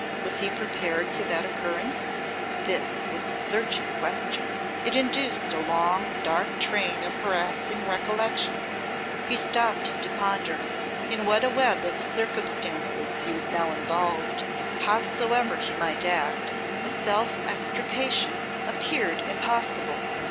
Was he prepared for that occurrence? This was a searching question. It induced a long, dark train of harassing recollections. He stopped to ponder. In what a web of circumstances was he now involved! Howsoever he might act, self extrication appeared impossible.